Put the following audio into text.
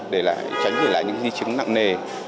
để tránh gửi lại những di chứng nặng nề